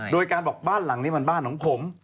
โดยการบอกบ้านหลังนี้มันบ้านของผม